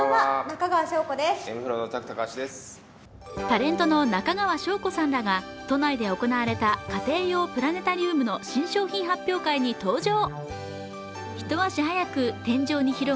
タレントの中川翔子さんらが都内で行われた家庭用プラネタリウムの新商品発表会に登場。